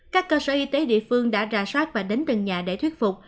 các cơ sở y tế địa phương đã ra soát và đến từng nhà để thuyết phục